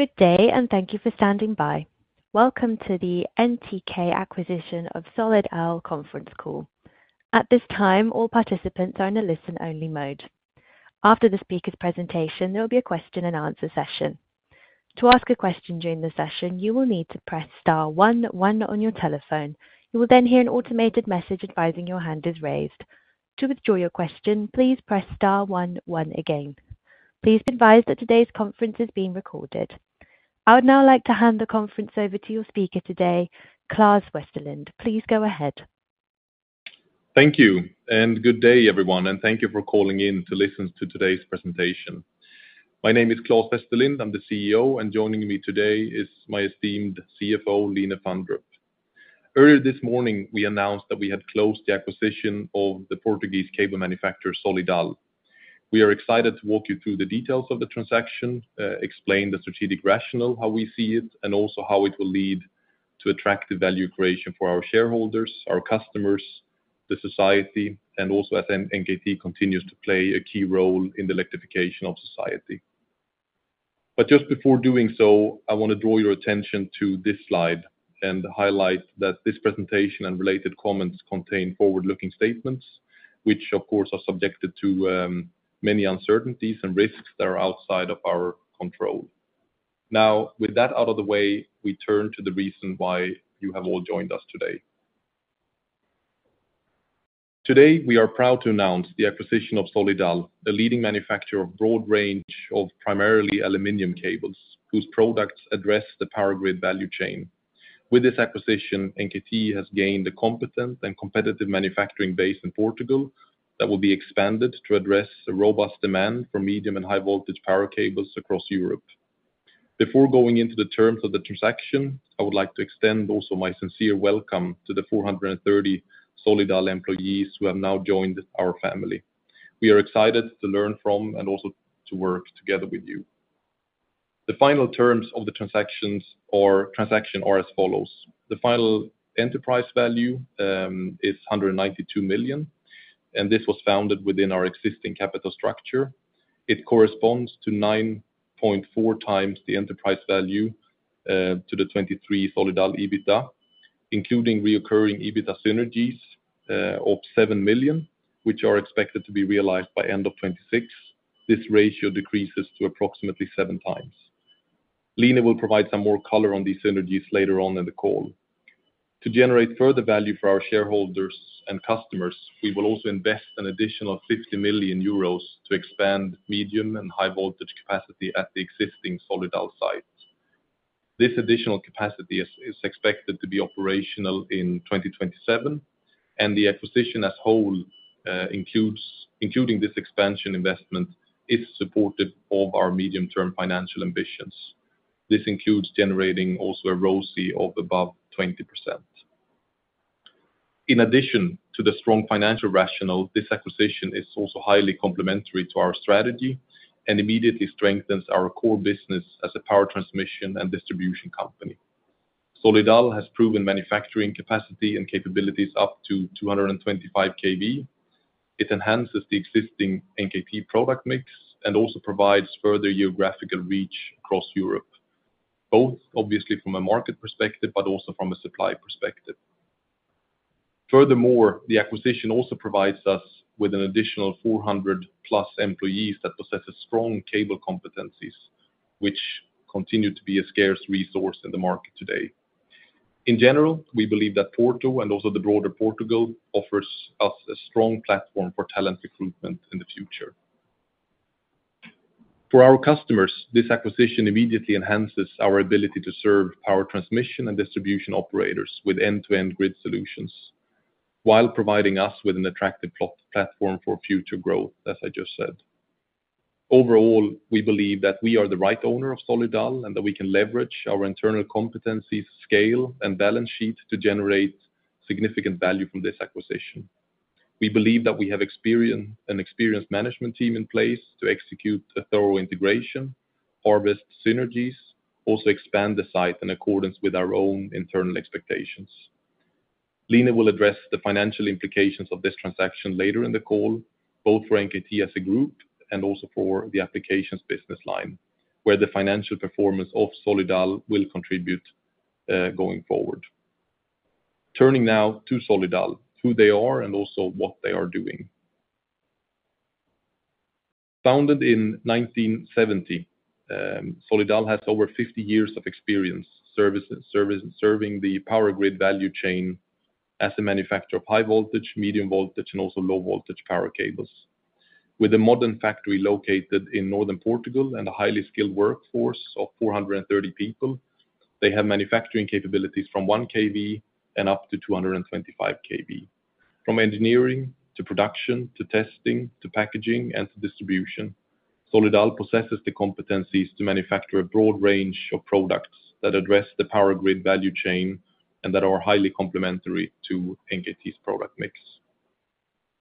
Good day, and thank you for standing by. Welcome to the NKT acquisition of Solidal conference call. At this time, all participants are in a listen-only mode. After the speaker's presentation, there will be a question-and-answer session. To ask a question during the session, you will need to press star one one on your telephone. You will then hear an automated message advising your hand is raised. To withdraw your question, please press star one one again. Please be advised that today's conference is being recorded. I would now like to hand the conference over to your speaker today, Claes Westerlind. Please go ahead. Thank you, and good day, everyone. Thank you for calling in to listen to today's presentation. My name is Claes Westerlind. I'm the CEO, and joining me today is my esteemed CFO, Line Andrea Fandrup. Earlier this morning, we announced that we had closed the acquisition of the Portuguese cable manufacturer, Solidal. We are excited to walk you through the details of the transaction, explain the strategic rationale, how we see it, and also how it will lead to attractive value creation for our shareholders, our customers, the society, and also as NKT continues to play a key role in the electrification of society. Just before doing so, I want to draw your attention to this slide and highlight that this presentation and related comments contain forward-looking statements, which, of course, are subjected to many uncertainties and risks that are outside of our control. Now, with that out of the way, we turn to the reason why you have all joined us today. Today, we are proud to announce the acquisition of Solidal, a leading manufacturer of a broad range of primarily aluminum cables, whose products address the power grid value chain. With this acquisition, NKT has gained a competent and competitive manufacturing base in Portugal that will be expanded to address a robust demand for medium and high-voltage power cables across Europe. Before going into the terms of the transaction, I would like to extend also my sincere welcome to the 430 Solidal employees who have now joined our family. We are excited to learn from and also to work together with you. The final terms of the transaction are as follows. The final enterprise value is 192 million, and this was funded within our existing capital structure. It corresponds to 9.4 times the enterprise value to the 2023 Solidal EBITDA, including recurring EBITDA synergies of 7 million, which are expected to be realized by end of 2026. This ratio decreases to approximately 7 times. Line will provide some more color on these synergies later on in the call. To generate further value for our shareholders and customers, we will also invest an additional 50 million euros to expand medium- and high-voltage capacity at the existing Solidal sites. This additional capacity is expected to be operational in 2027, and the acquisition as a whole, including this expansion investment, is supportive of our medium-term financial ambitions. This includes generating also a ROCE of above 20%. In addition to the strong financial rationale, this acquisition is also highly complementary to our strategy and immediately strengthens our core business as a power transmission and distribution company. Solidal has proven manufacturing capacity and capabilities up to 225 kV. It enhances the existing NKT product mix and also provides further geographical reach across Europe, both obviously from a market perspective, but also from a supply perspective. Furthermore, the acquisition also provides us with an additional 400+ employees that possess strong cable competencies, which continue to be a scarce resource in the market today. In general, we believe that Porto and also the broader Portugal offers us a strong platform for talent recruitment in the future. For our customers, this acquisition immediately enhances our ability to serve power transmission and distribution operators with end-to-end grid solutions, while providing us with an attractive platform for future growth, as I just said. Overall, we believe that we are the right owner of Solidal and that we can leverage our internal competencies, scale, and balance sheet to generate significant value from this acquisition. We believe that we have an experienced management team in place to execute a thorough integration, harvest synergies, also expand the site in accordance with our own internal expectations. Line will address the financial implications of this transaction later in the call, both for NKT as a group and also for the applications business line, where the financial performance of Solidal will contribute going forward. Turning now to Solidal, who they are and also what they are doing. Founded in 1970, Solidal has over 50 years of experience serving the power grid value chain as a manufacturer of high-voltage, medium-voltage, and also low-voltage power cables. With a modern factory located in northern Portugal and a highly skilled workforce of 430 people, they have manufacturing capabilities from 1 kV and up to 225 kV. From engineering to production to testing to packaging and to distribution, Solidal possesses the competencies to manufacture a broad range of products that address the power grid value chain and that are highly complementary to NKT's product mix.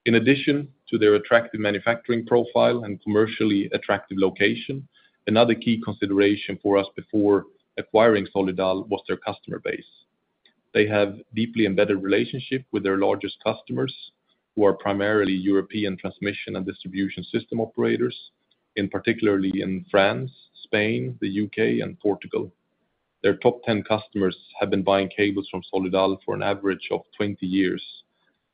In addition to their attractive manufacturing profile and commercially attractive location, another key consideration for us before acquiring Solidal was their customer base. They have a deeply embedded relationship with their largest customers, who are primarily European transmission and distribution system operators, particularly in France, Spain, the U.K., and Portugal. Their top 10 customers have been buying cables from Solidal for an average of 20 years,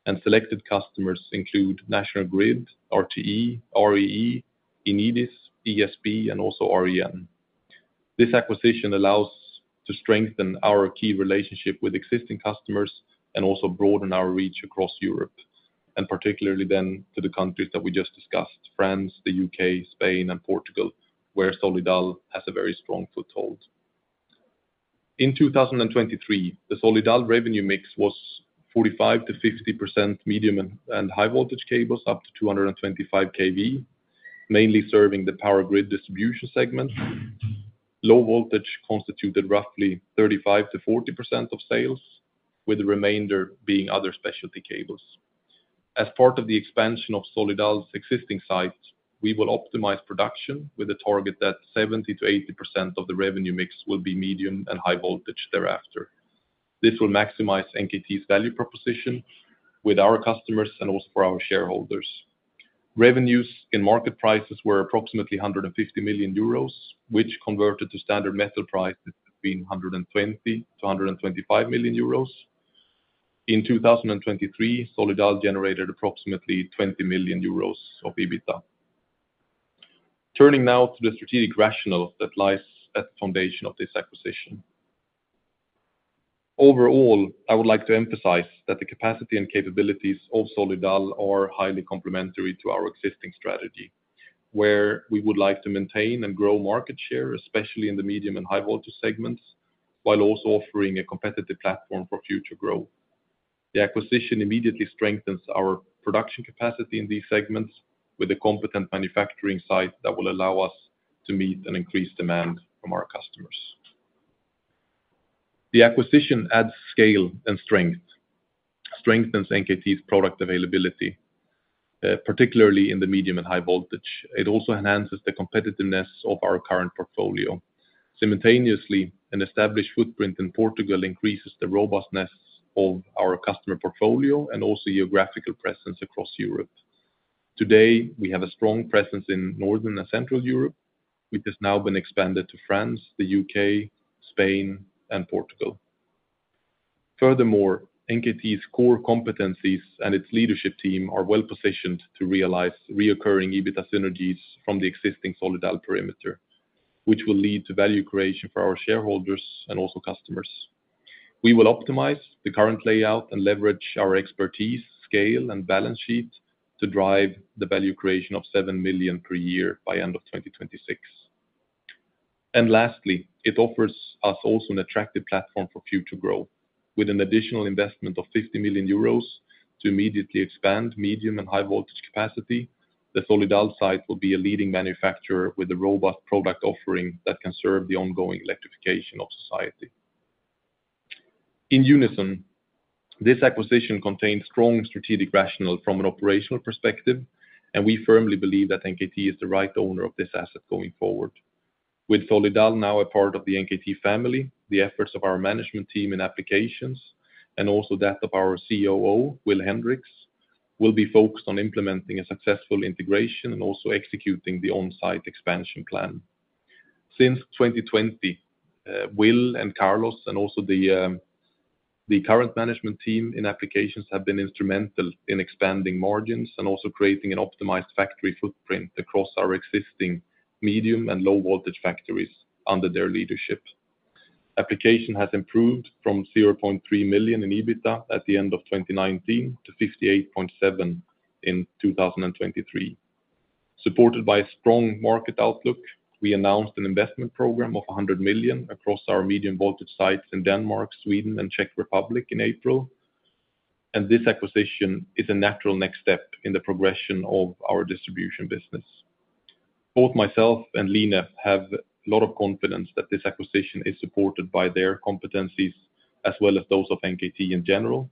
and selected customers include National Grid, RTE, REE, Enedis, ESP, and also REN. This acquisition allows us to strengthen our key relationship with existing customers and also broaden our reach across Europe, and particularly then to the countries that we just discussed: France, the U.K., Spain, and Portugal, where Solidal has a very strong foothold. In 2023, the Solidal revenue mix was 45-50% medium and high-voltage cables, up to 225 kV, mainly serving the power grid distribution segment. Low voltage constituted roughly 35-40% of sales, with the remainder being other specialty cables. As part of the expansion of Solidal's existing site, we will optimize production with a target that 70%-80% of the revenue mix will be medium and high-voltage thereafter. This will maximize NKT's value proposition with our customers and also for our shareholders. Revenues in market prices were approximately 150 million euros, which converted to standard metal prices between 120 million-125 million euros. In 2023, Solidal generated approximately 20 million euros of EBITDA. Turning now to the strategic rationale that lies at the foundation of this acquisition. Overall, I would like to emphasize that the capacity and capabilities of Solidal are highly complementary to our existing strategy, where we would like to maintain and grow market share, especially in the medium and high-voltage segments, while also offering a competitive platform for future growth. The acquisition immediately strengthens our production capacity in these segments, with a competent manufacturing site that will allow us to meet an increased demand from our customers. The acquisition adds scale and strength, strengthens NKT's product availability, particularly in the medium and high voltage. It also enhances the competitiveness of our current portfolio. Simultaneously, an established footprint in Portugal increases the robustness of our customer portfolio and also geographical presence across Europe. Today, we have a strong presence in northern and central Europe, which has now been expanded to France, the U.K., Spain, and Portugal. Furthermore, NKT's core competencies and its leadership team are well positioned to realize recurring EBITDA synergies from the existing Solidal perimeter, which will lead to value creation for our shareholders and also customers. We will optimize the current layout and leverage our expertise, scale, and balance sheet to drive the value creation of 7 million per year by end of 2026. And lastly, it offers us also an attractive platform for future growth. With an additional investment of 50 million euros to immediately expand medium and high-voltage capacity, the Solidal site will be a leading manufacturer with a robust product offering that can serve the ongoing electrification of society. In unison, this acquisition contains strong strategic rationale from an operational perspective, and we firmly believe that NKT is the right owner of this asset going forward. With Solidal now a part of the NKT family, the efforts of our management team in applications, and also that of our COO, Will Hendrikx, will be focused on implementing a successful integration and also executing the on-site expansion plan. Since 2020, Will and Carlos and also the current management team in applications have been instrumental in expanding margins and also creating an optimized factory footprint across our existing medium and low-voltage factories under their leadership. EBITDA has improved from 0.3 million at the end of 2019 to 58.7 million in 2023. Supported by a strong market outlook, we announced an investment program of 100 million across our medium-voltage sites in Denmark, Sweden, and Czech Republic in April, and this acquisition is a natural next step in the progression of our distribution business. Both myself and Line have a lot of confidence that this acquisition is supported by their competencies as well as those of NKT in general,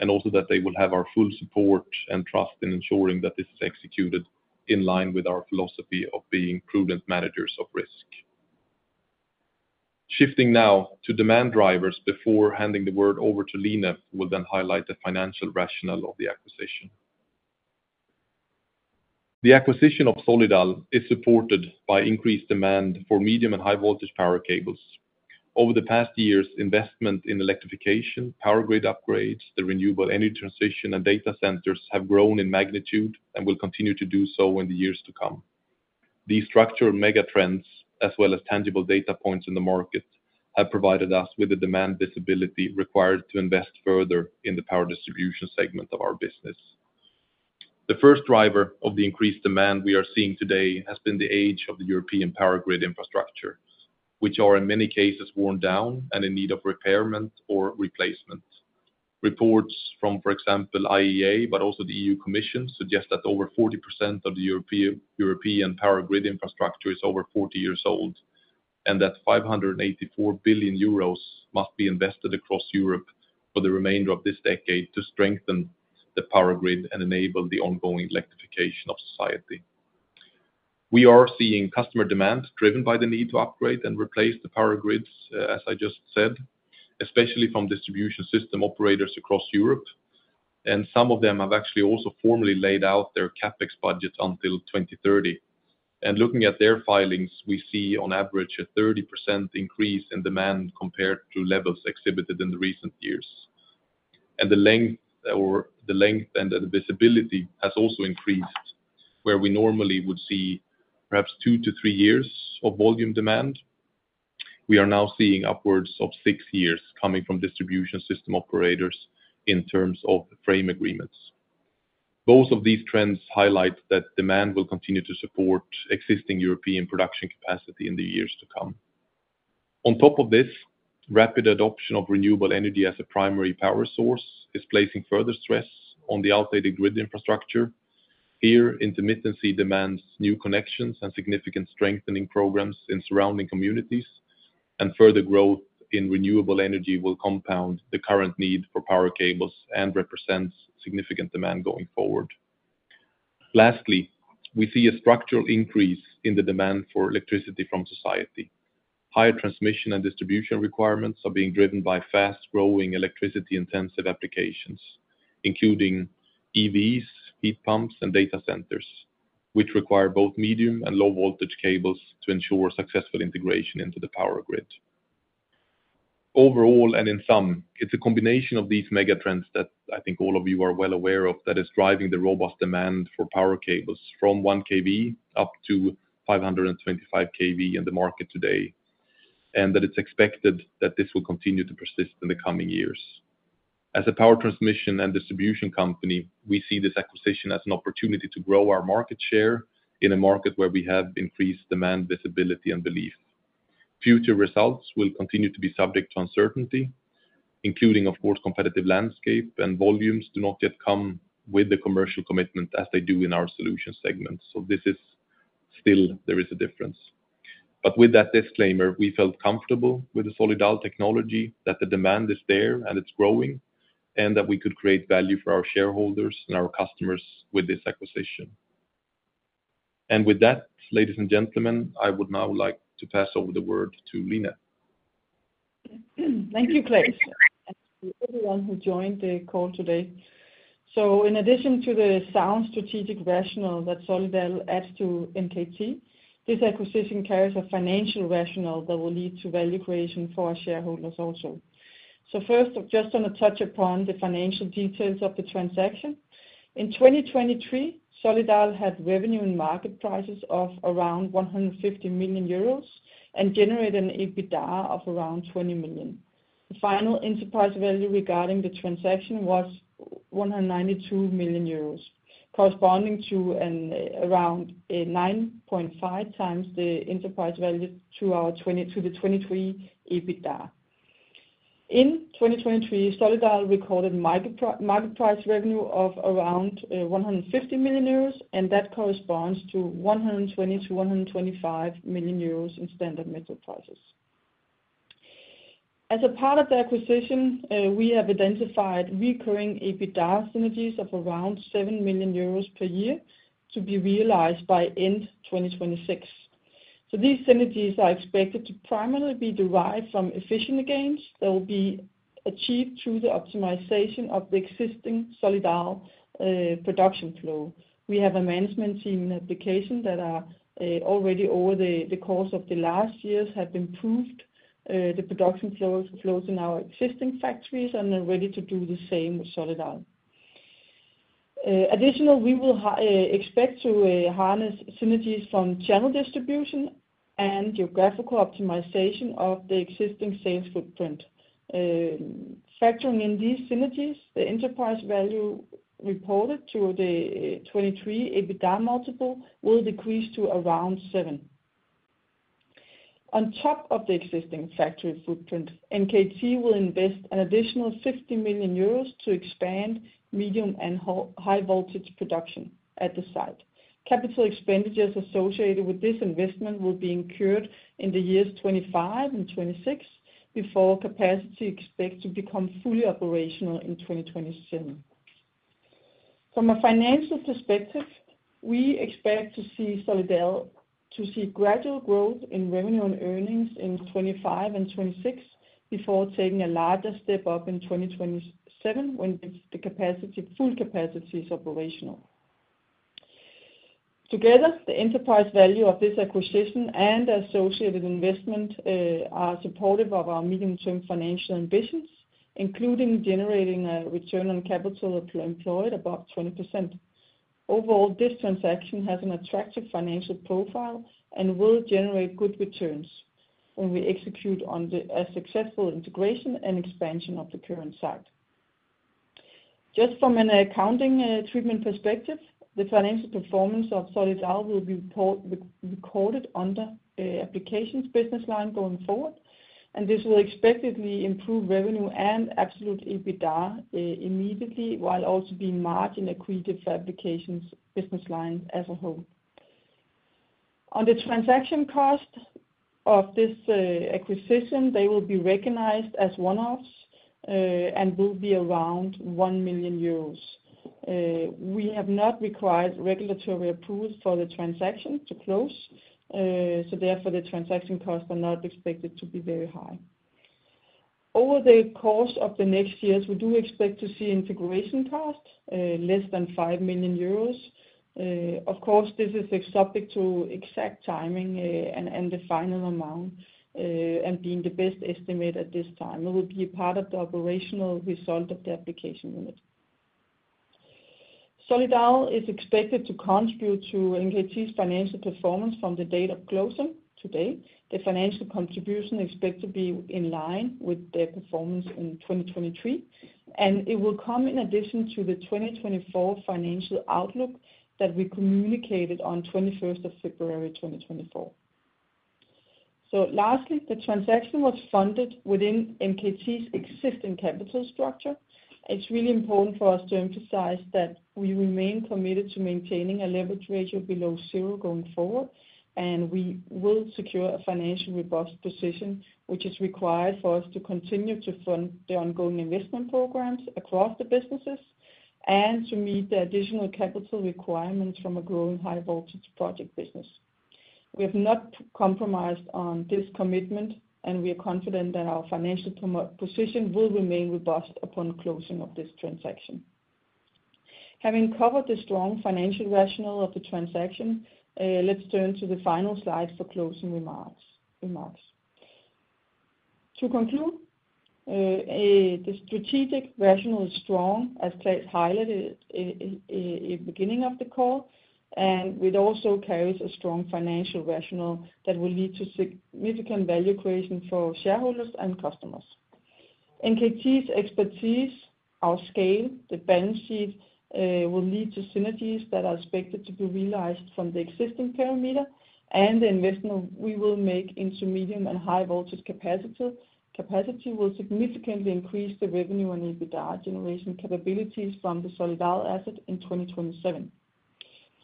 and also that they will have our full support and trust in ensuring that this is executed in line with our philosophy of being prudent managers of risk. Shifting now to demand drivers, before handing the word over to Line, who will then highlight the financial rationale of the acquisition. The acquisition of Solidal is supported by increased demand for medium- and high-voltage power cables. Over the past years, investment in electrification, power grid upgrades, the renewable energy transition, and data centers have grown in magnitude and will continue to do so in the years to come. These structural mega trends, as well as tangible data points in the market, have provided us with the demand visibility required to invest further in the power distribution segment of our business. The first driver of the increased demand we are seeing today has been the age of the European power grid infrastructure, which are in many cases worn down and in need of repair or replacement. Reports from, for example, IEA, but also the European Commission, suggest that over 40% of the European power grid infrastructure is over 40 years old and that 584 billion euros must be invested across Europe for the remainder of this decade to strengthen the power grid and enable the ongoing electrification of society. We are seeing customer demand driven by the need to upgrade and replace the power grids, as I just said, especially from distribution system operators across Europe, and some of them have actually also formally laid out their capex budgets until 2030. Looking at their filings, we see on average a 30% increase in demand compared to levels exhibited in the recent years. The length and the visibility has also increased, where we normally would see perhaps 2-3 years of volume demand. We are now seeing upwards of six years coming from distribution system operators in terms of frame agreements. Both of these trends highlight that demand will continue to support existing European production capacity in the years to come. On top of this, rapid adoption of renewable energy as a primary power source is placing further stress on the outdated grid infrastructure. Here, intermittency demands new connections and significant strengthening programs in surrounding communities, and further growth in renewable energy will compound the current need for power cables and represent significant demand going forward. Lastly, we see a structural increase in the demand for electricity from society. Higher transmission and distribution requirements are being driven by fast-growing electricity-intensive applications, including EVs, heat pumps, and data centers, which require both medium and low-voltage cables to ensure successful integration into the power grid. Overall, and in sum, it's a combination of these mega trends that I think all of you are well aware of that is driving the robust demand for power cables from 1 kV-525 kV in the market today, and that it's expected that this will continue to persist in the coming years. As a power transmission and distribution company, we see this acquisition as an opportunity to grow our market share in a market where we have increased demand, visibility, and belief. Future results will continue to be subject to uncertainty, including, of course, the competitive landscape, and volumes do not yet come with the commercial commitment as they do in our solution segment. So this is still, there is a difference. But with that disclaimer, we felt comfortable with the Solidal technology, that the demand is there and it's growing, and that we could create value for our shareholders and our customers with this acquisition. And with that, ladies and gentlemen, I would now like to pass the word to Line. Thank you, Claes. Thank you, everyone who joined the call today. In addition to the sound strategic rationale that Solidal adds to NKT, this acquisition carries a financial rationale that will lead to value creation for our shareholders also. First, just want to touch upon the financial details of the transaction. In 2023, Solidal had revenue in market prices of around 150 million euros and generated an EBITDA of around 20 million. The final enterprise value regarding the transaction was 192 million euros, corresponding to around 9.5x the enterprise value to the 2023 EBITDA. In 2023, Solidal recorded market price revenue of around 150 million euros, and that corresponds to 120 million-125 million euros in standard metal prices. As a part of the acquisition, we have identified recurring EBITDA synergies of around 7 million euros per year to be realized by end-2026. So these synergies are expected to primarily be derived from efficiency gains that will be achieved through the optimization of the existing Solidal production flow. We have a management team in application that are already over the course of the last years have improved the production flows in our existing factories and are ready to do the same with Solidal. Additionally, we will expect to harness synergies from channel distribution and geographical optimization of the existing sales footprint. Factoring in these synergies, the enterprise value reported to the 2023 EBITDA multiple will decrease to around 7. On top of the existing factory footprint, NKT will invest an additional 50 million euros to expand medium and high-voltage production at the site. Capital expenditures associated with this investment will be incurred in the years 2025 and 2026 before capacity is expected to become fully operational in 2027. From a financial perspective, we expect to see gradual growth in revenue and earnings in 2025 and 2026 before taking a larger step up in 2027 when the full capacity is operational. Together, the enterprise value of this acquisition and associated investment are supportive of our medium-term financial ambitions, including generating a return on capital employed above 20%. Overall, this transaction has an attractive financial profile and will generate good returns when we execute on a successful integration and expansion of the current site. Just from an accounting treatment perspective, the financial performance of Solidal will be recorded under applications business line going forward, and this will expectedly improve revenue and absolute EBITDA immediately, while also being margin accretive for applications business line as a whole. On the transaction cost of this acquisition, they will be recognized as one-offs and will be around 1 million euros. We have not required regulatory approval for the transaction to close, so therefore the transaction costs are not expected to be very high. Over the course of the next years, we do expect to see integration costs less than 5 million euros. Of course, this is subject to exact timing and the final amount and being the best estimate at this time. It will be a part of the operational result of the application unit. Solidal is expected to contribute to NKT's financial performance from the date of closing today. The financial contribution is expected to be in line with their performance in 2023, and it will come in addition to the 2024 financial outlook that we communicated on 21st of February 2024. So lastly, the transaction was funded within NKT's existing capital structure. It's really important for us to emphasize that we remain committed to maintaining a leverage ratio below zero going forward, and we will secure a financially robust position, which is required for us to continue to fund the ongoing investment programs across the businesses and to meet the additional capital requirements from a growing high-voltage project business. We have not compromised on this commitment, and we are confident that our financial position will remain robust upon closing of this transaction. Having covered the strong financial rationale of the transaction, let's turn to the final slides for closing remarks. To conclude, the strategic rationale is strong, as Claes highlighted at the beginning of the call, and it also carries a strong financial rationale that will lead to significant value creation for shareholders and customers. NKT's expertise, our scale, the balance sheet will lead to synergies that are expected to be realized from the existing parameter, and the investment we will make into medium and high-voltage capacity will significantly increase the revenue and EBITDA generation capabilities from the Solidal asset in 2027.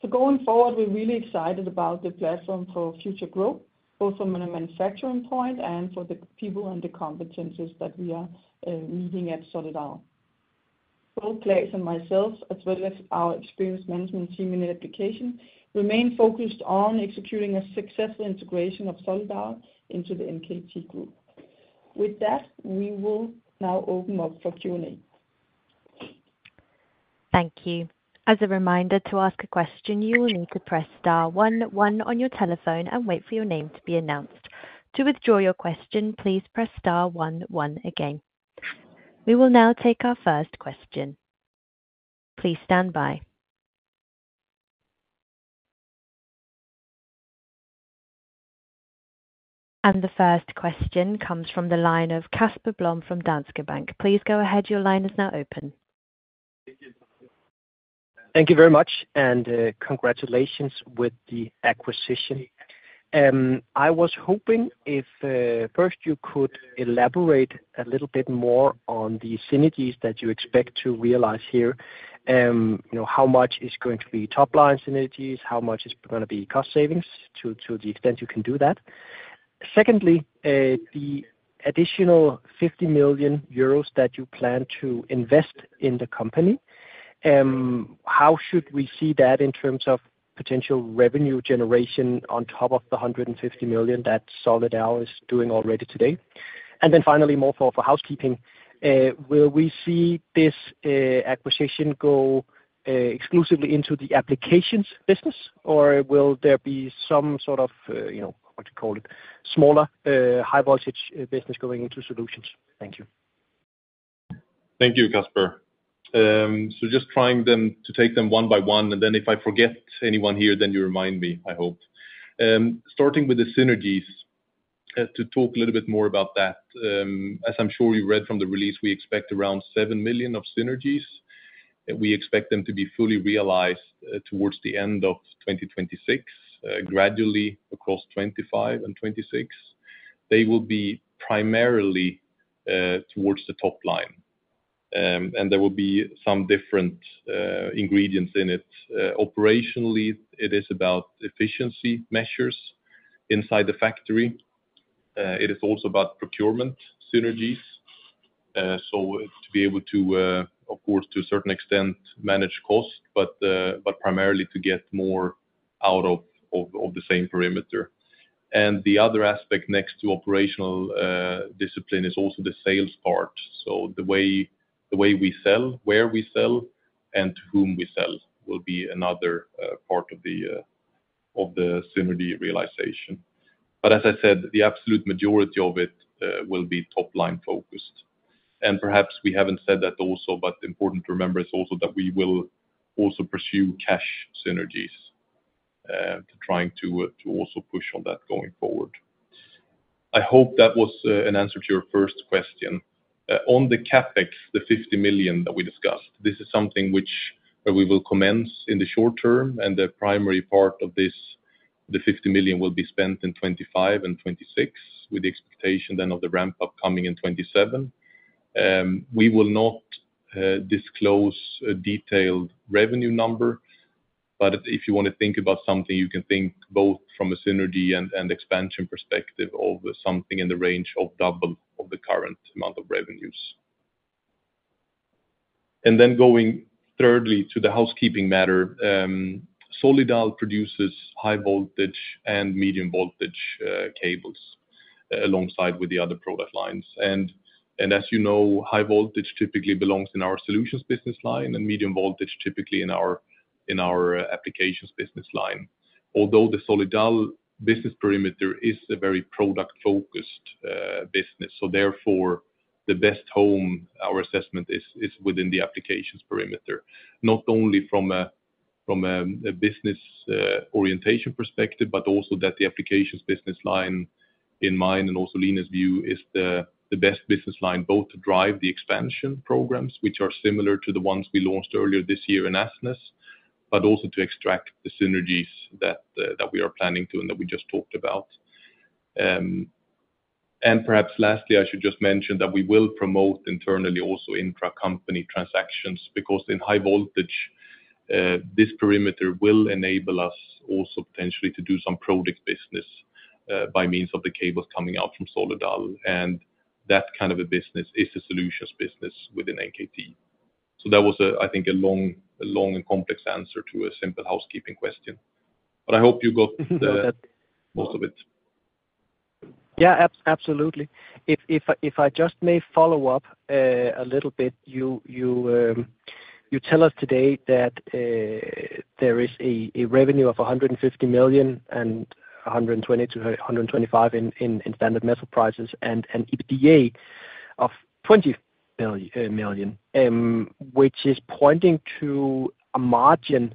So going forward, we're really excited about the platform for future growth, both from a manufacturing point and for the people and the competencies that we are meeting at Solidal. Both Claes and myself, as well as our experienced management team in application, remain focused on executing a successful integration of Solidal into the NKT group. With that, we will now open up for Q&A. Thank you. As a reminder, to ask a question, you will need to press star one one on your telephone and wait for your name to be announced. To withdraw your question, please press star 11 again. We will now take our first question. Please stand by. And the first question comes from the line of Casper Blom from Danske Bank. Please go ahead. Your line is now open. Thank you very much, and congratulations with the acquisition. I was hoping if first you could elaborate a little bit more on the synergies that you expect to realize here, how much is going to be top-line synergies, how much is going to be cost savings to the extent you can do that. Secondly, the additional 50 million euros that you plan to invest in the company, how should we see that in terms of potential revenue generation on top of the 150 million that Solidal is doing already today? And then finally, more for housekeeping, will we see this acquisition go exclusively into the applications business, or will there be some sort of, what do you call it, smaller high-voltage business going into solutions? Thank you. Thank you, Casper. So just trying then to take them one by one, and then if I forget anyone here, then you remind me, I hope. Starting with the synergies, to talk a little bit more about that. As I'm sure you read from the release, we expect around 7 million of synergies. We expect them to be fully realized towards the end of 2026, gradually across 2025 and 2026. They will be primarily towards the top line, and there will be some different ingredients in it. Operationally, it is about efficiency measures inside the factory. It is also about procurement synergies, so to be able to, of course, to a certain extent manage costs, but primarily to get more out of the same perimeter. And the other aspect next to operational discipline is also the sales part. So the way we sell, where we sell, and to whom we sell will be another part of the synergy realization. But as I said, the absolute majority of it will be top-line focused. And perhaps we haven't said that also, but important to remember is also that we will also pursue cash synergies to trying to also push on that going forward. I hope that was an answer to your first question. On the CapEx, the 50 million that we discussed, this is something which we will commence in the short term, and the primary part of this, the 50 million will be spent in 2025 and 2026 with the expectation then of the ramp-up coming in 2027. We will not disclose a detailed revenue number, but if you want to think about something, you can think both from a synergy and expansion perspective of something in the range of double of the current amount of revenues. And then going thirdly to the housekeeping matter, Solidal produces high-voltage and medium-voltage cables alongside with the other product lines. As you know, high-voltage typically belongs in our solutions business line, and medium-voltage typically in our applications business line. Although the Solidal business perimeter is a very product-focused business, so therefore the best home, our assessment, is within the applications perimeter, not only from a business orientation perspective, but also that the applications business line in my and also Line's view is the best business line both to drive the expansion programs, which are similar to the ones we launched earlier this year in Asnæs, but also to extract the synergies that we are planning to and that we just talked about. And perhaps lastly, I should just mention that we will promote internally also intra-company transactions because in high-voltage, this perimeter will enable us also potentially to do some product business by means of the cables coming out from Solidal, and that kind of a business is a solutions business within NKT. So that was, I think, a long and complex answer to a simple housekeeping question, but I hope you got most of it. Yeah, absolutely. If I just may follow up a little bit, you tell us today that there is a revenue of 150 million and 120 million-125 million in standard metal prices and an EBITDA of 20 million, which is pointing to a margin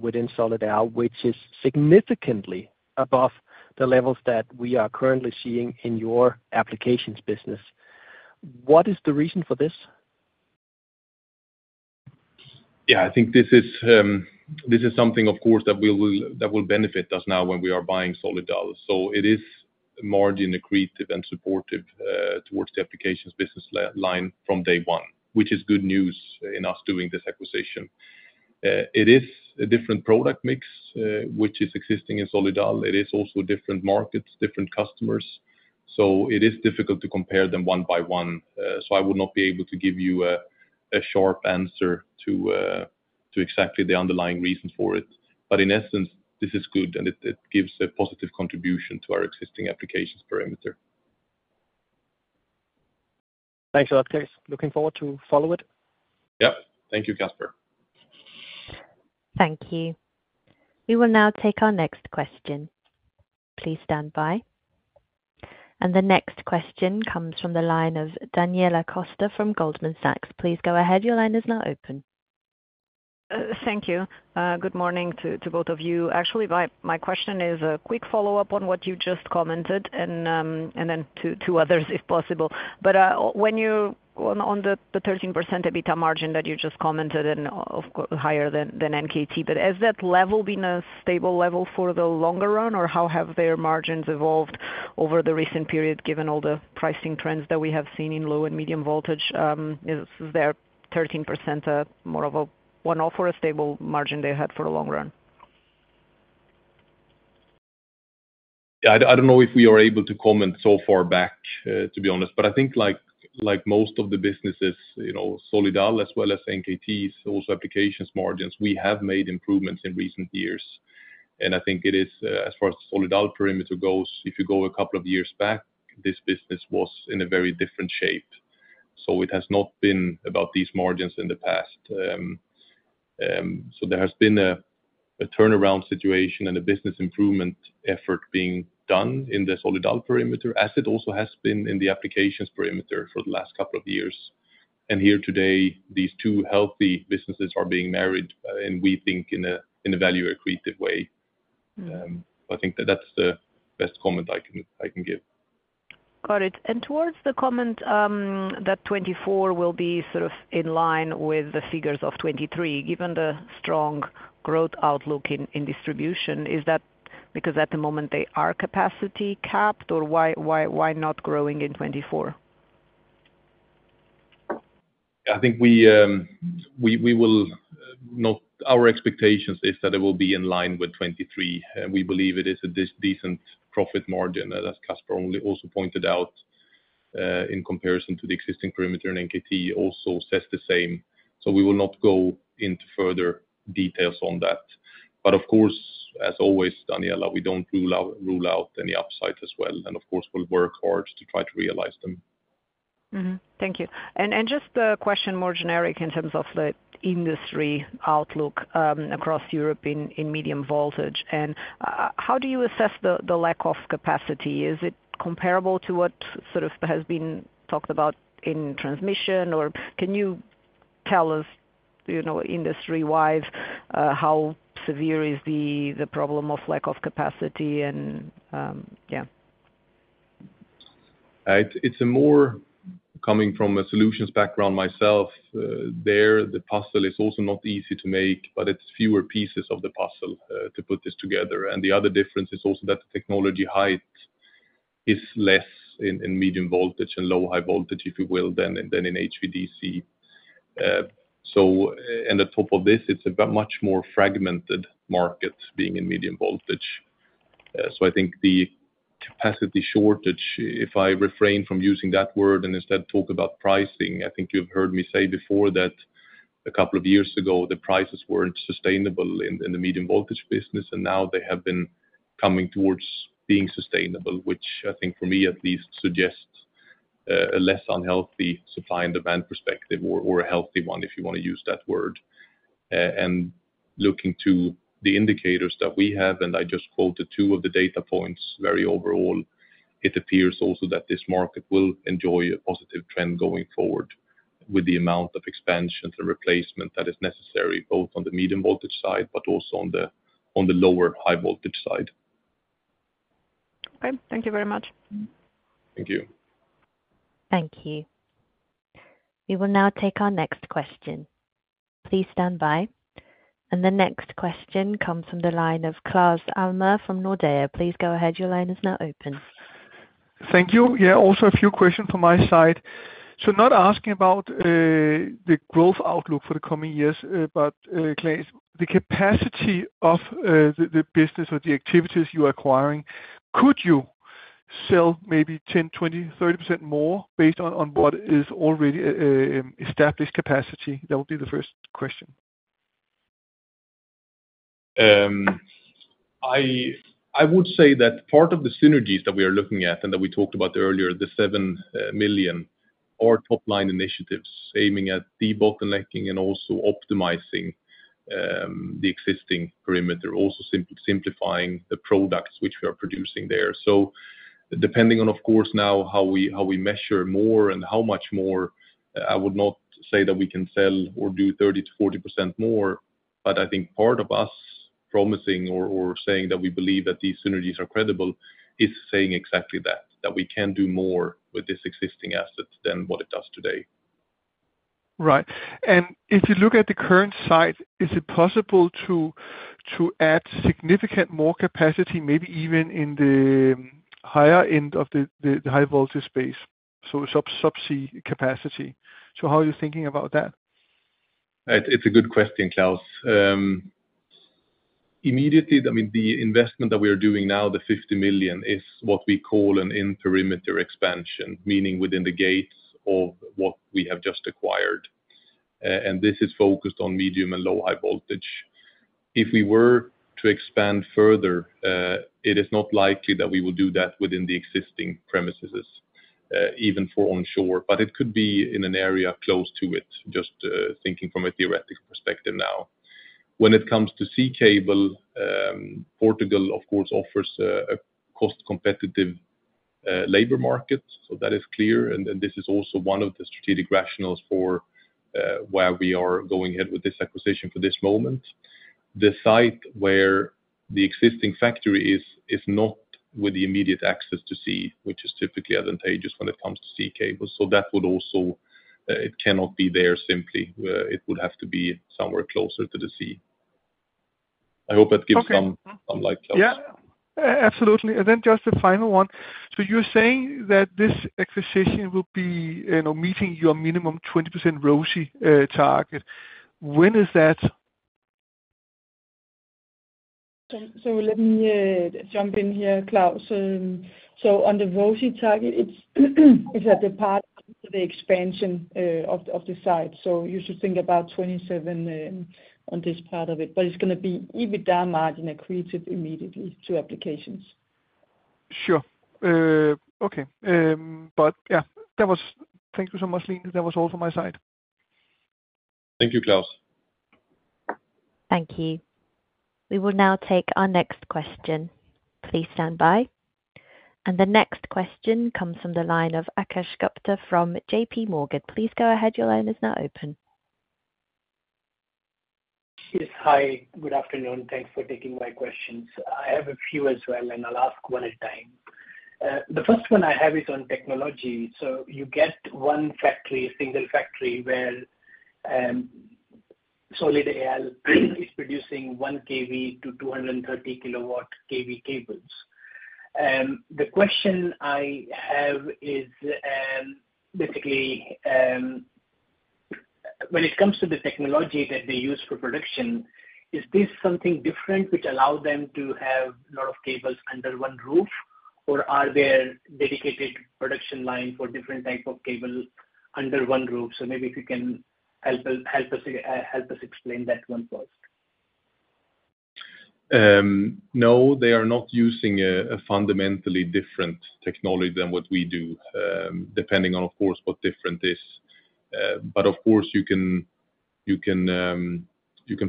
within Solidal, which is significantly above the levels that we are currently seeing in your applications business. What is the reason for this? Yeah, I think this is something, of course, that will benefit us now when we are buying Solidal. So it is margin accretive and supportive towards the applications business line from day one, which is good news in us doing this acquisition. It is a different product mix, which is existing in Solidal. It is also different markets, different customers, so it is difficult to compare them one by one. So I will not be able to give you a sharp answer to exactly the underlying reason for it, but in essence, this is good and it gives a positive contribution to our existing applications perimeter. Thanks a lot, Claes. Looking forward to follow it. Yep. Thank you, Casper. Thank you. We will now take our next question. Please stand by. The next question comes from the line of Daniela Costa from Goldman Sachs. Please go ahead. Your line is now open. Thank you. Good morning to both of you. Actually, my question is a quick follow-up on what you just commented and then to others if possible. But when you're on the 13% EBITDA margin that you just commented and higher than NKT, but has that level been a stable level for the longer run, or how have their margins evolved over the recent period given all the pricing trends that we have seen in low and medium voltage? Is their 13% more of a one-off or a stable margin they had for the long run? Yeah, I don't know if we are able to comment so far back, to be honest, but I think like most of the businesses, Solidal as well as NKT, also applications margins, we have made improvements in recent years. I think it is, as far as the Solidal perimeter goes, if you go a couple of years back, this business was in a very different shape. So it has not been about these margins in the past. So there has been a turnaround situation and a business improvement effort being done in the Solidal perimeter, as it also has been in the applications perimeter for the last couple of years. And here today, these two healthy businesses are being married, and we think in a value-accretive way. I think that that's the best comment I can give. Got it. And towards the comment that 2024 will be sort of in line with the figures of 2023, given the strong growth outlook in distribution, is that because at the moment they are capacity capped, or why not growing in 2024? I think we will not. Our expectation is that it will be in line with 2023. We believe it is a decent profit margin, as Casper only also pointed out in comparison to the existing perimeter, and NKT also says the same. So we will not go into further details on that. But of course, as always, Daniela, we don't rule out any upside as well, and of course, we'll work hard to try to realize them. Thank you. And just a question more generic in terms of the industry outlook across Europe in medium voltage. And how do you assess the lack of capacity? Is it comparable to what sort of has been talked about in transmission, or can you tell us industry-wise how severe is the problem of lack of capacity? And yeah. It's more coming from a solutions background myself. There, the puzzle is also not easy to make, but it's fewer pieces of the puzzle to put this together. And the other difference is also that the technology height is less in medium voltage and low-high voltage, if you will, than in HVDC. And on top of this, it's a much more fragmented market being in medium voltage. So I think the capacity shortage, if I refrain from using that word and instead talk about pricing, I think you've heard me say before that a couple of years ago, the prices weren't sustainable in the medium voltage business, and now they have been coming towards being sustainable, which I think for me at least suggests a less unhealthy supply and demand perspective or a healthy one, if you want to use that word. Looking to the indicators that we have, and I just quoted two of the data points very overall, it appears also that this market will enjoy a positive trend going forward with the amount of expansions and replacement that is necessary both on the medium voltage side but also on the lower-high voltage side. Okay. Thank you very much. Thank you. Thank you. We will now take our next question. Please stand by. The next question comes from the line of Claus Almer from Nordea. Please go ahead. Your line is now open. Thank you. Yeah, also a few questions from my side. Not asking about the growth outlook for the coming years, but Claes, the capacity of the business or the activities you're acquiring, could you sell maybe 10%, 20%, 30% more based on what is already established capacity? That would be the first question. I would say that part of the synergies that we are looking at and that we talked about earlier, the 7 million, are top-line initiatives aiming at debottlenecking and also optimizing the existing perimeter, also simplifying the products which we are producing there. So depending on, of course, now how we measure more and how much more, I would not say that we can sell or do 30%-40% more, but I think part of us promising or saying that we believe that these synergies are credible is saying exactly that, that we can do more with this existing asset than what it does today. Right. And if you look at the current site, is it possible to add significant more capacity, maybe even in the higher end of the high-voltage space, so subsea capacity? So how are you thinking about that? It's a good question, Claus. Immediately, I mean, the investment that we are doing now, the 50 million, is what we call an in-perimeter expansion, meaning within the gates of what we have just acquired. And this is focused on medium and low-high voltage. If we were to expand further, it is not likely that we will do that within the existing premises, even for onshore, but it could be in an area close to it, just thinking from a theoretical perspective now. When it comes to sea cable, Portugal, of course, offers a cost-competitive labor market, so that is clear. And this is also one of the strategic rationales for why we are going ahead with this acquisition for this moment. The site where the existing factory is not with the immediate access to sea, which is typically advantageous when it comes to sea cables. So that would also it cannot be there simply. It would have to be somewhere closer to the sea. I hope that gives some light, Claus. Yeah, absolutely. And then just the final one. So you're saying that this acquisition will be meeting your minimum 20% ROCE target. When is that? So let me jump in here, Claus. So on the ROCE target, it's at the part of the expansion of the site. So you should think about 2027 on this part of it, but it's going to be EBITDA margin accretive immediately to applications. Sure. Okay. But yeah, thank you so much, Line. That was all from my side. Thank you, Claus. Thank you. We will now take our next question. Please stand by. And the next question comes from the line of Akash Gupta from J.P. Morgan. Please go ahead. Your line is now open. Yes. Hi. Good afternoon. Thanks for taking my questions. I have a few as well, and I'll ask one at a time. The first one I have is on technology. So you get one single factory where Solidal is producing 1 kV to 230 kV cables. The question I have is basically, when it comes to the technology that they use for production, is this something different which allows them to have a lot of cables under one roof, or are there dedicated production lines for different types of cables under one roof? So maybe if you can help us explain that one first. No, they are not using a fundamentally different technology than what we do, depending on, of course, what different is. But of course, you can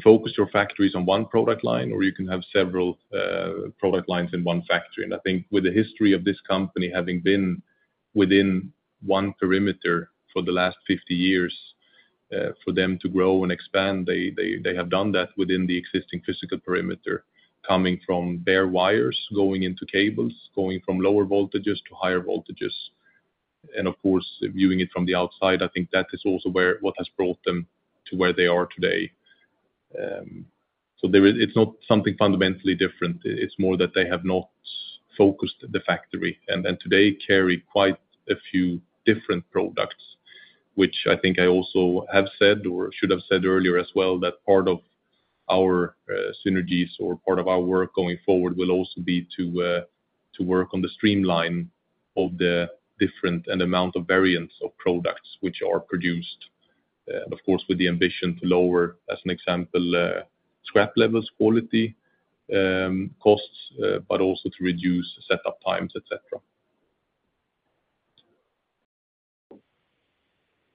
focus your factories on one product line, or you can have several product lines in one factory. I think with the history of this company having been within one perimeter for the last 50 years, for them to grow and expand, they have done that within the existing physical perimeter, coming from bare wires going into cables, going from lower voltages to higher voltages. Of course, viewing it from the outside, I think that is also what has brought them to where they are today. It's not something fundamentally different. It's more that they have not focused the factory and today carry quite a few different products, which I think I also have said or should have said earlier as well, that part of our synergies or part of our work going forward will also be to work on the streamline of the different and amount of variants of products which are produced, of course, with the ambition to lower, as an example, scrap levels, quality costs, but also to reduce setup times, etc.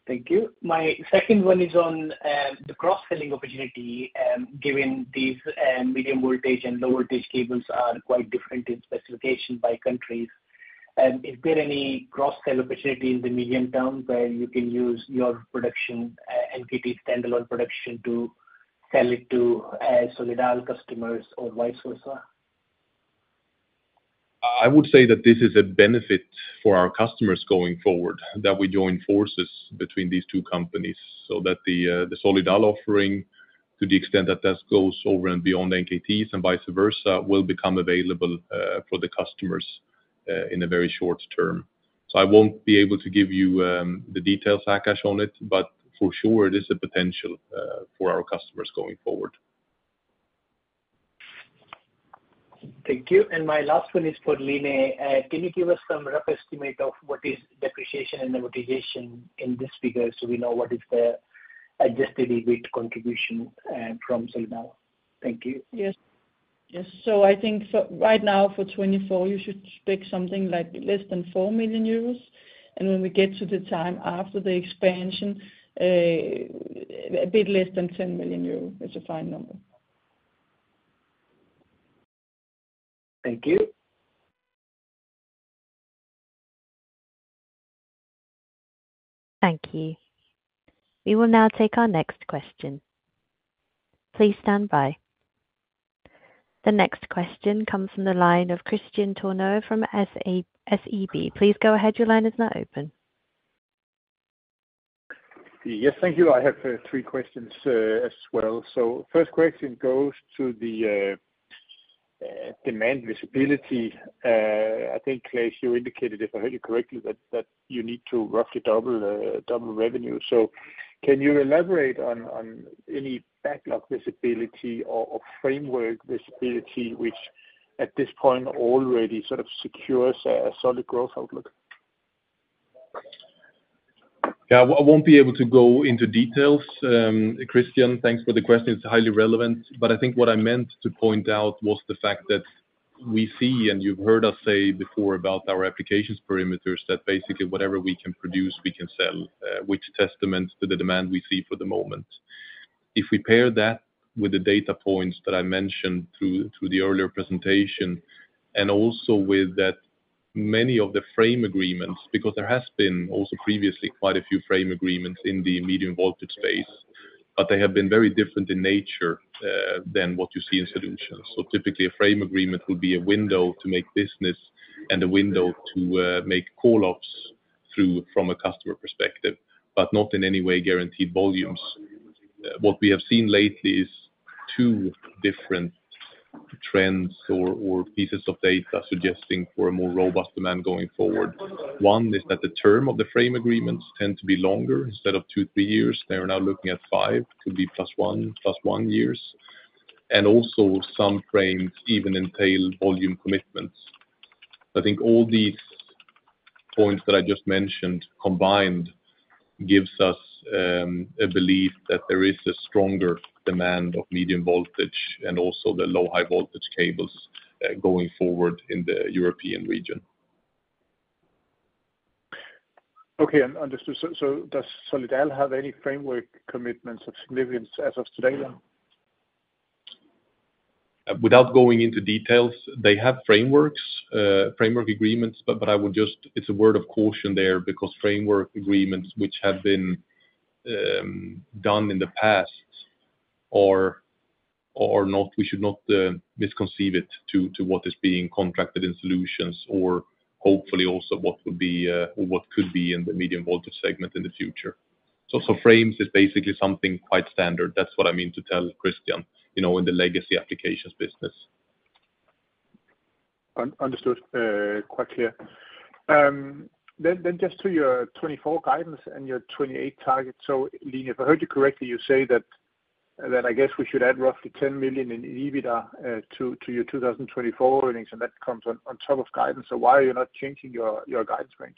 Thank you. My second one is on the cross-selling opportunity, given these medium voltage and low voltage cables are quite different in specification by countries. Is there any cross-sell opportunity in the medium term where you can use your production, NKT standalone production, to sell it to Solidal customers or vice versa? I would say that this is a benefit for our customers going forward, that we join forces between these two companies so that the Solidal offering, to the extent that that goes over and beyond NKT's and vice versa, will become available for the customers in a very short term. So I won't be able to give you the details, Akash, on it, but for sure, it is a potential for our customers going forward. Thank you. And my last one is for Line. Can you give us some rough estimate of what is depreciation and amortization in this figure so we know what is the adjusted EBIT contribution from Solidal? Thank you. Yes. Yes. So I think right now for 2024, you should pick something like less than 4 million euros. When we get to the time after the expansion, a bit less than 10 million euros is a fine number. Thank you. Thank you. We will now take our next question. Please stand by. The next question comes from the line of Christian Tornow from SEB. Please go ahead. Your line is now open. Yes, thank you. I have three questions as well. First question goes to the demand visibility. I think, Claes, you indicated, if I heard you correctly, that you need to roughly double revenue. Can you elaborate on any backlog visibility or framework visibility which at this point already sort of secures a solid growth outlook? Yeah, I won't be able to go into details. Christian, thanks for the question. It's highly relevant. But I think what I meant to point out was the fact that we see, and you've heard us say before about our applications perimeters, that basically whatever we can produce, we can sell, which attests to the demand we see for the moment. If we pair that with the data points that I mentioned through the earlier presentation, and also with that many of the frame agreements, because there has been also previously quite a few frame agreements in the medium voltage space, but they have been very different in nature than what you see in solutions. So typically, a frame agreement will be a window to make business and a window to make call-ups from a customer perspective, but not in any way guaranteed volumes. What we have seen lately is two different trends or pieces of data suggesting for a more robust demand going forward. One is that the term of the frame agreements tend to be longer. Instead of two, three years, they are now looking at five, could be plus one, plus one years. And also, some frames even entail volume commitments. I think all these points that I just mentioned combined gives us a belief that there is a stronger demand of medium voltage and also the low-high voltage cables going forward in the European region. Okay. Understood. So does Solidal have any framework commitments of significance as of today then? Without going into details, they have frameworks, framework agreements, but it's a word of caution there because framework agreements which have been done in the past are not we should not misconceive it to what is being contracted in solutions or hopefully also what would be or what could be in the medium voltage segment in the future. So frames is basically something quite standard. That's what I mean to tell Christian in the legacy applications business. Understood. Quite clear. Then just to your 2024 guidance and your 2028 targets. So Line, if I heard you correctly, you say that I guess we should add roughly 10 million in EBITDA to your 2024 earnings, and that comes on top of guidance. So why are you not changing your guidance range?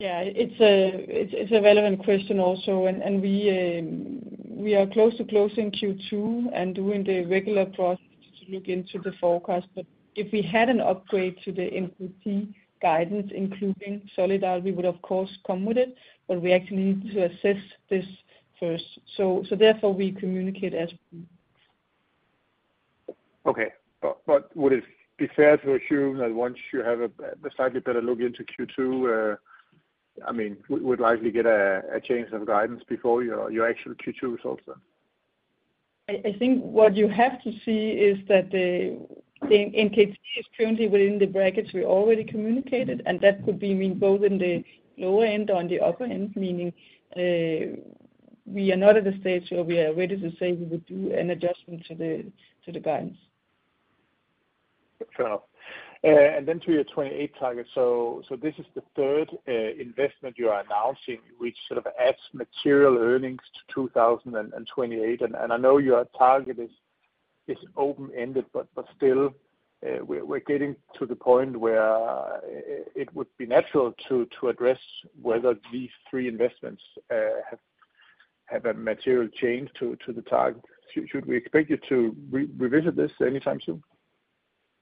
Yeah. It's a relevant question also. And we are close to closing Q2 and doing the regular process to look into the forecast. But if we had an upgrade to the NKT guidance, including Solidal, we would, of course, come with it, but we actually need to assess this first. So therefore, we communicate as we need. Okay. But would it be fair to assume that once you have a slightly better look into Q2, I mean, we'd likely get a change of guidance before your actual Q2 results then? I think what you have to see is that the NKT is currently within the brackets we already communicated, and that could mean both in the lower end or in the upper end, meaning we are not at a stage where we are ready to say we would do an adjustment to the guidance. Fair enough. Then to your 2028 targets. So this is the third investment you are announcing, which sort of adds material earnings to 2028. And I know your target is open-ended, but still, we're getting to the point where it would be natural to address whether these three investments have a material change to the target. Should we expect you to revisit this anytime soon?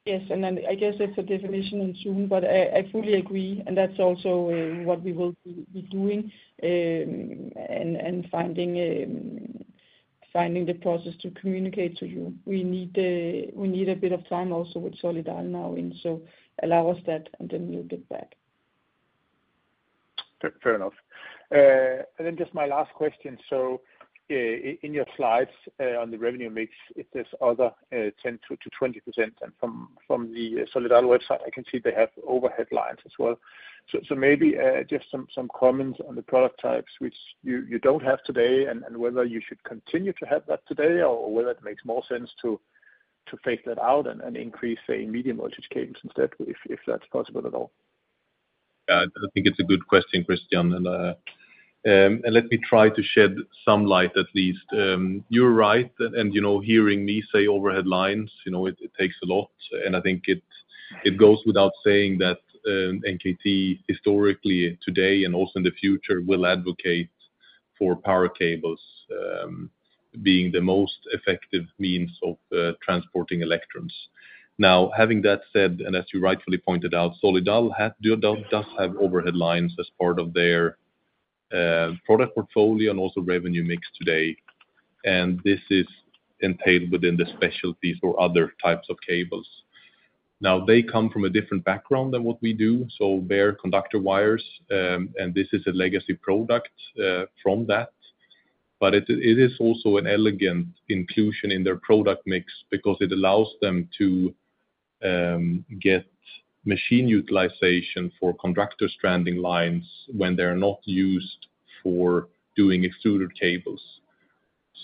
Yes. I guess it's a definition in June, but I fully agree. That's also what we will be doing and finding the process to communicate to you. We need a bit of time also with Solidal now, so allow us that, and then we'll get back. Fair enough. Then just my last question. So in your slides on the revenue mix, if there's other 10%-20%, and from the Solidal website, I can see they have overhead lines as well. So maybe just some comments on the product types, which you don't have today, and whether you should continue to have that today or whether it makes more sense to phase that out and increase, say, medium voltage cables instead, if that's possible at all. Yeah. I think it's a good question, Christian. And let me try to shed some light at least. You're right. And hearing me say overhead lines, it takes a lot. And I think it goes without saying that NKT, historically, today and also in the future, will advocate for power cables being the most effective means of transporting electrons. Now, having that said, and as you rightfully pointed out, Solidal does have overhead lines as part of their product portfolio and also revenue mix today. And this is entailed within the specialties or other types of cables. Now, they come from a different background than what we do, so bare conductor wires, and this is a legacy product from that. But it is also an elegant inclusion in their product mix because it allows them to get machine utilization for conductor stranding lines when they're not used for doing extruded cables.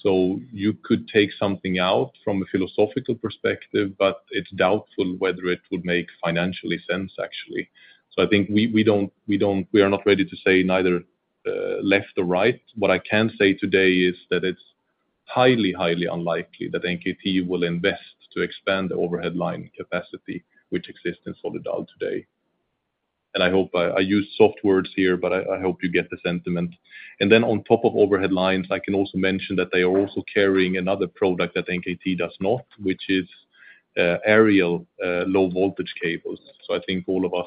So you could take something out from a philosophical perspective, but it's doubtful whether it would make financial sense, actually. So I think we are not ready to say neither left or right. What I can say today is that it's highly, highly unlikely that NKT will invest to expand the overhead line capacity which exists in Solidal today. And I hope I used soft words here, but I hope you get the sentiment. And then on top of overhead lines, I can also mention that they are also carrying another product that NKT does not, which is aerial low voltage cables. So I think all of us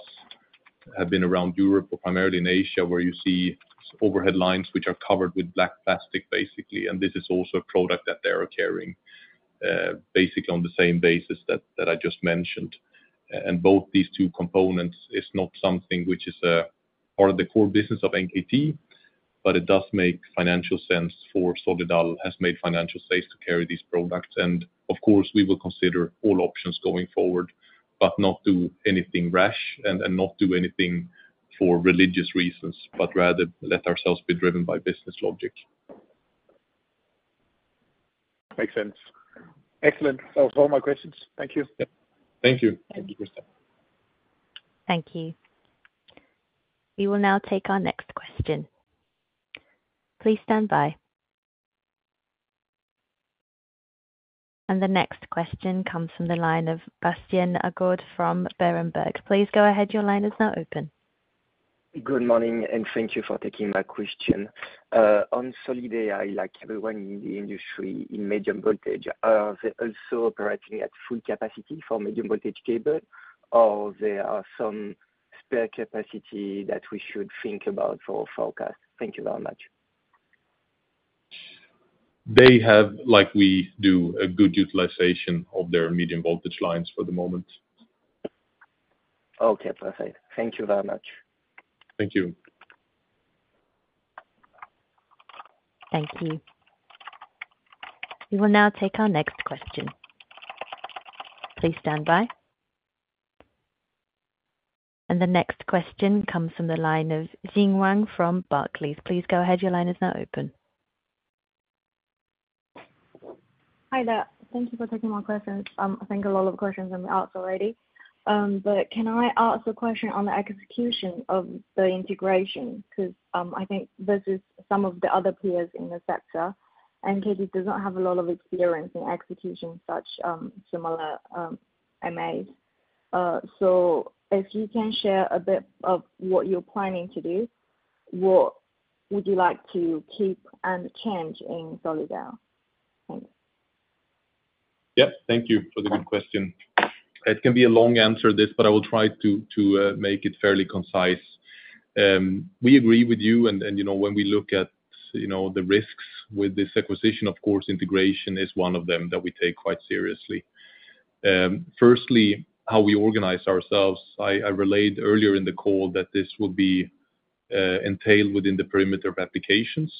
have been around Europe, primarily in Asia, where you see overhead lines which are covered with black plastic, basically. And this is also a product that they are carrying, basically on the same basis that I just mentioned. And both these two components is not something which is part of the core business of NKT, but it does make financial sense for Solidal, has made financial sense to carry these products. And of course, we will consider all options going forward, but not do anything rash and not do anything for religious reasons, but rather let ourselves be driven by business logic. Makes sense. Excellent. That was all my questions. Thank you. Thank you. Thank you, Christian. Thank you. We will now take our next question. Please stand by. And the next question comes from the line of Bastien Agaud from Berenberg. Please go ahead. Your line is now open. Good morning, and thank you for taking my question. On Solidal, like everyone in the industry, in medium voltage, are they also operating at full capacity for medium voltage cable, or there are some spare capacity that we should think about for forecast? Thank you very much. They have, like we do, a good utilization of their medium voltage lines for the moment. Okay. Perfect. Thank you very much. Thank you. Thank you. We will now take our next question. Please stand by. The next question comes from the line of Xin Wang from Barclays. Please go ahead. Your line is now open. Hi there. Thank you for taking my question. I think a lot of questions have been asked already. But can I ask a question on the execution of the integration? Because I think this is some of the other peers in the sector. NKT does not have a lot of experience in execution such similar M&As. So if you can share a bit of what you're planning to do, what would you like to keep and change in Solidal? Thanks. Yep. Thank you for the good question. It can be a long answer, this, but I will try to make it fairly concise. We agree with you. When we look at the risks with this acquisition, of course, integration is one of them that we take quite seriously. Firstly, how we organize ourselves. I relayed earlier in the call that this will be entailed within the perimeter of applications.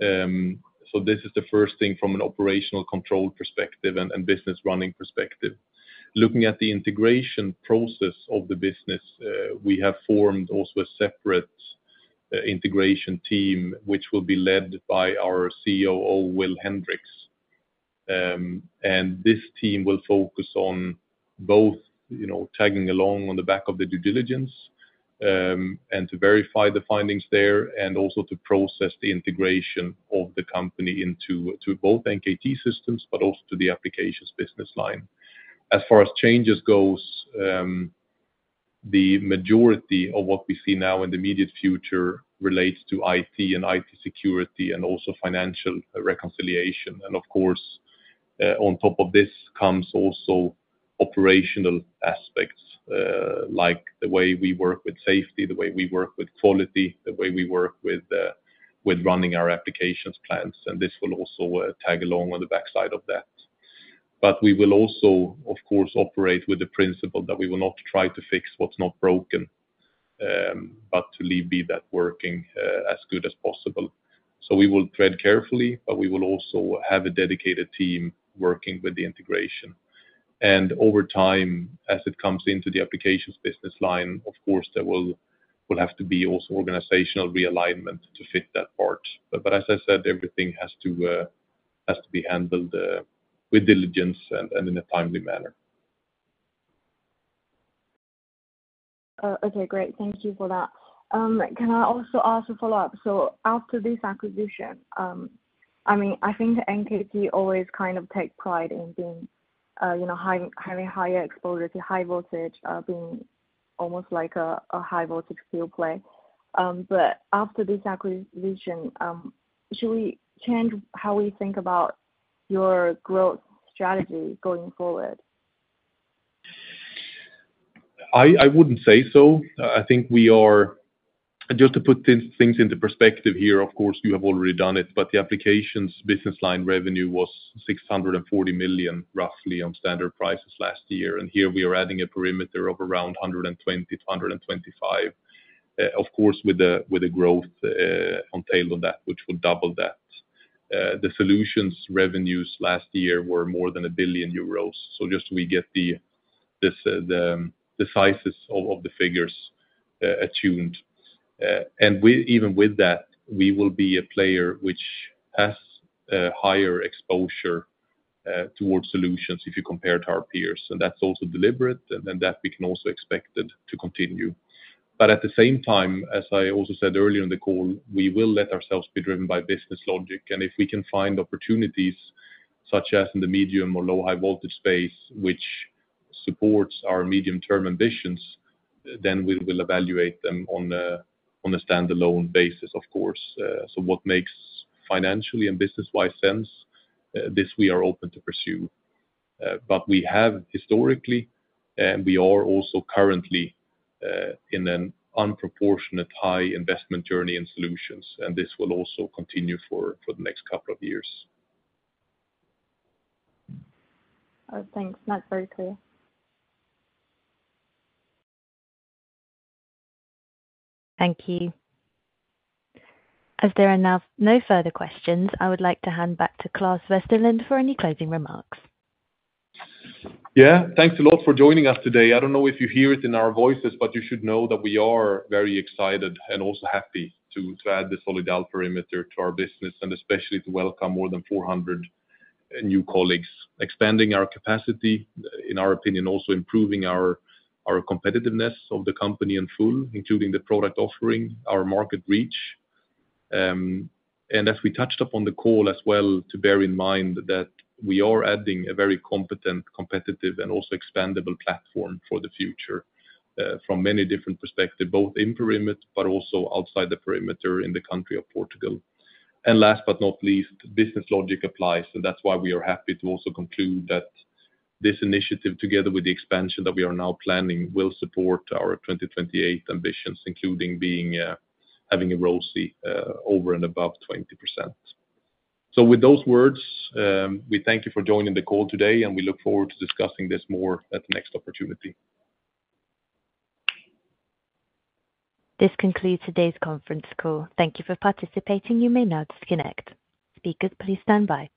So this is the first thing from an operational control perspective and business running perspective. Looking at the integration process of the business, we have formed also a separate integration team, which will be led by our COO, Will Hendrikx. This team will focus on both tagging along on the back of the due diligence and to verify the findings there and also to process the integration of the company into both NKT systems, but also to the applications business line. As far as changes goes, the majority of what we see now in the immediate future relates to IT and IT security and also financial reconciliation. Of course, on top of this comes also operational aspects, like the way we work with safety, the way we work with quality, the way we work with running our applications plans. This will also tag along on the backside of that. But we will also, of course, operate with the principle that we will not try to fix what's not broken, but to leave that working as good as possible. So we will tread carefully, but we will also have a dedicated team working with the integration. And over time, as it comes into the applications business line, of course, there will have to be also organizational realignment to fit that part. But as I said, everything has to be handled with diligence and in a timely manner. Okay. Great. Thank you for that. Can I also ask a follow-up? So after this acquisition, I mean, I think NKT always kind of takes pride in having high exposure to high voltage, being almost like a high-voltage pure play. But after this acquisition, should we change how we think about your growth strategy going forward? I wouldn't say so. I think we are just to put things into perspective here, of course, you have already done it, but the applications business line revenue was 640 million, roughly, on standard prices last year. And here we are adding a perimeter of around 120 million to 125 million, of course, with the growth entailed on that, which would double that. The solutions revenues last year were more than 1 billion euros. So just we get the sizes of the figures attuned. And even with that, we will be a player which has higher exposure towards solutions if you compare to our peers. And that's also deliberate, and that we can also expect to continue. But at the same time, as I also said earlier in the call, we will let ourselves be driven by business logic. And if we can find opportunities such as in the medium or low-high voltage space, which supports our medium-term ambitions, then we will evaluate them on a standalone basis, of course. So what makes financially and business-wise sense, this we are open to pursue. But we have historically, and we are also currently in a disproportionate high investment journey in solutions. And this will also continue for the next couple of years. Thanks. That's very clear. Thank you. As there are no further questions, I would like to hand back to Claes Westerlind for any closing remarks. Yeah. Thanks a lot for joining us today. I don't know if you hear it in our voices, but you should know that we are very excited and also happy to add the Solidal perimeter to our business, and especially to welcome more than 400 new colleagues, expanding our capacity, in our opinion, also improving our competitiveness of the company in full, including the product offering, our market reach. As we touched upon the call as well, to bear in mind that we are adding a very competent, competitive, and also expandable platform for the future from many different perspectives, both in perimeter, but also outside the perimeter in the country of Portugal. Last but not least, business logic applies. That's why we are happy to also conclude that this initiative, together with the expansion that we are now planning, will support our 2028 ambitions, including having a ROCE over and above 20%. With those words, we thank you for joining the call today, and we look forward to discussing this more at the next opportunity. This concludes today's conference call. Thank you for participating. You may now disconnect. Speakers, please stand by.